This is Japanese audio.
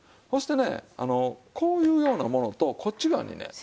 そしてねこういうようなものとこっち側にね。